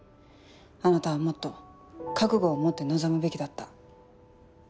あなたはもっと覚悟を持って臨むべきだった。